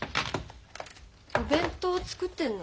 お弁当作ってんの？